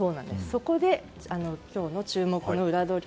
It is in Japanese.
そこで注目のウラどり